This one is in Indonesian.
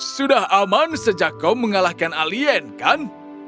sudah aman sejak kau mengalahkan alien kan